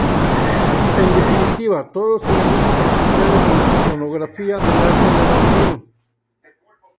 En definitiva, todos los elementos esenciales de la iconografía del Arte Levantino.